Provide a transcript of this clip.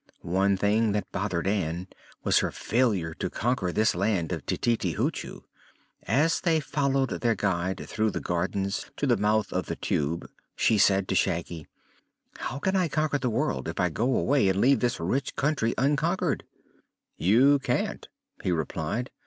One thing that bothered Ann was her failure to conquer this land of Tititi Hoochoo. As they followed their guide through the gardens to the mouth of the Tube she said to Shaggy: "How can I conquer the world, if I go away and leave this rich country unconquered?" "You can't," he replied.